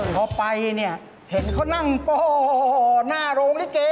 พอไปเห็นเขานั่งป่อน่ารงลิเก